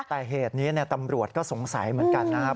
แต่เหตุนี้ตำรวจก็สงสัยเหมือนกันนะครับ